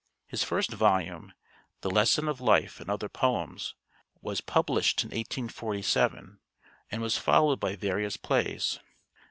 His first volume, 'The Lesson of Life and other Poems,' was published in 1847, and was followed by various plays.